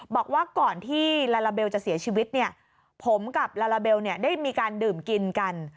บอกว่าก่อนที่ลาลาเบลจะเสียชีวิตเนี่ยผมกับลาลาเบลได้มีการดื่มกินกัน